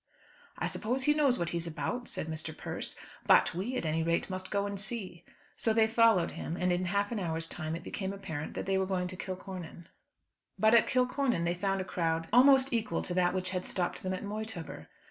"I suppose he knows what he's about," said Mr. Persse; "but we, at any rate, must go and see." So they followed him; and in half an hour's time it became apparent that they were going to Kilcornan. But at Kilcornan they found a crowd almost equal to that which had stopped them at Moytubber.